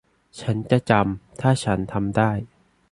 ฉันจะจำ ถ้าฉันทำได้